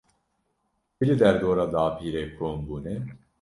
Kî li derdora dapîrê kom bûne?